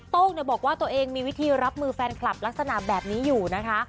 ้งบอกว่าตัวเองมีวิธีรับมือแฟนคลับลักษณะแบบนี้อยู่นะคะ